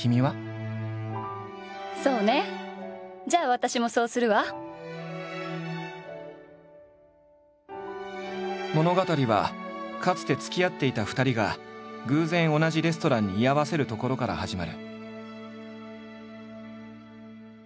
亀梨の一番のお気に入り物語はかつてつきあっていた２人が偶然同じレストランに居合わせるところから始まる。